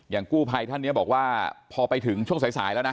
กู้ภัยท่านเนี่ยบอกว่าพอไปถึงช่วงสายแล้วนะ